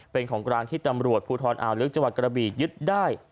เป็นของกลางที่ตำรวจภูทรอ่าวลึกจังหวัดกระบียึดได้